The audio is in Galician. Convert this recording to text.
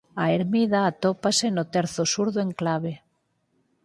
A ermida atópase no terzo sur do enclave.